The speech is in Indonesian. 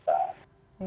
jadi harus diberikan